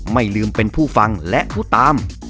ไม่ลืมเป็นผู้ฟังและผู้ตาม